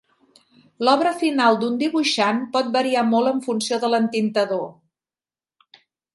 L'obra final d'un dibuixant pot variar molt en funció de l'entintador.